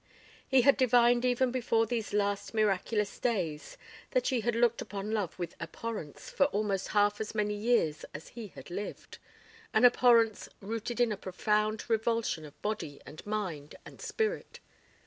He had divined even before these last miraculous days that she had looked upon love with abhorrence for almost half as many years as he had lived, an abhorrence rooted in a profound revulsion of body and mind and spirit.